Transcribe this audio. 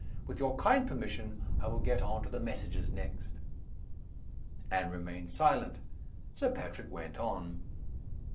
With your kind permission, I will get on to the messages next." Anne remained silent. Sir Patrick went on.